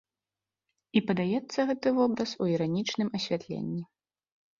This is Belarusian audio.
І падаецца гэты вобраз у іранічным асвятленні.